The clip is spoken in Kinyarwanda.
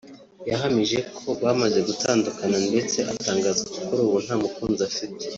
yahamije ko bamaze gutandukana ndetse atangaza ko kuri ubu nta mukunzi afite